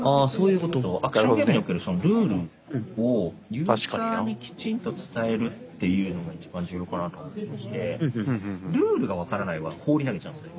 アクションゲームにおけるそのルールをユーザーにきちんと伝えるっていうのが一番重要かなと思ってまして「ルールが分からない」は放り投げちゃうんですよ